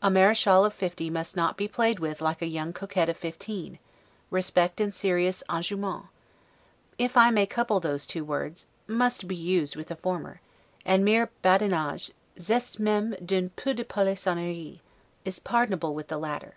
A 'marechale' of fifty must not be played with like a young coquette of fifteen; respect and serious 'enjouement', if I may couple those two words, must be used with the former, and mere 'badinage, zeste meme d'un peu de polissonerie', is pardonable with the latter.